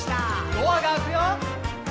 「ドアが開くよ」